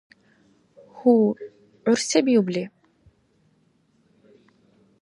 Гьу, гӀур се биубли?